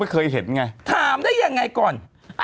เคยเห็นไงถามได้ยังไงก่อน